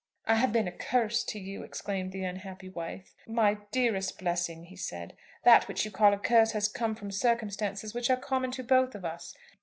"I have been a curse to you," exclaimed the unhappy wife. "My dearest blessing," he said. "That which you call a curse has come from circumstances which are common to both of us.